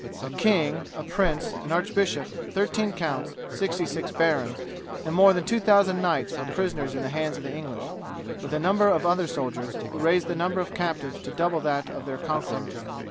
A king, a prince, an archbishop, 13 counts, 66 barons, and more than 2000 knights were prisoners in the hands of the English, with a number of other soldiers, who raised the number of captives to double that of their conquerors.